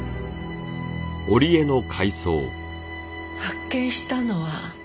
発見したのは。